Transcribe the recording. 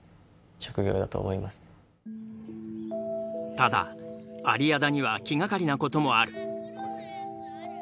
ただ有屋田には気がかりなこともある。